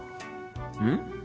うん？